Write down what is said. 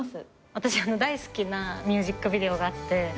私大好きなミュージックビデオがあって。